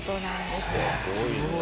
すごい。